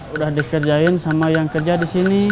udah dikerjain sama yang kerja disini